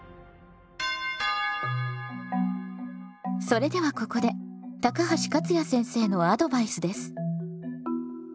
それではここで高橋勝也先生のアドバイスです。